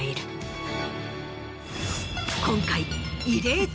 今回。